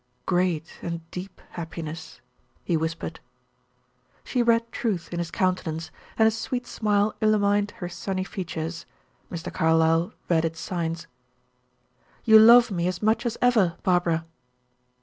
"Great and deep happiness," he whispered. She read truth in his countenance, and a sweet smile illumined her sunny features. Mr. Carlyle read its signs. "You love me as much as ever, Barbara!"